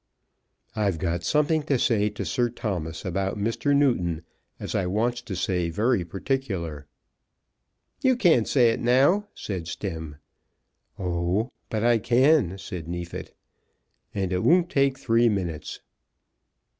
"I've something to say to Sir Thomas about Mr. Newton, as I wants to say very particular." "You can't say it now," said Stemm. "Oh, but I can," said Neefit, "and it won't take three minutes."